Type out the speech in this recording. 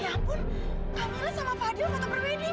ya ampun kamila sama fadil foto perweding